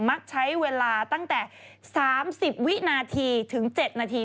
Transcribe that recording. มักใช้เวลาตั้งแต่๓๐วินาทีถึง๗นาที